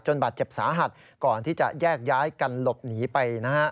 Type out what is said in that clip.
บาดเจ็บสาหัสก่อนที่จะแยกย้ายกันหลบหนีไปนะฮะ